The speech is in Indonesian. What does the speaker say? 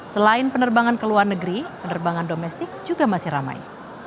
selain penerbangan ke luar negeri penerbangan domestik juga masih ramai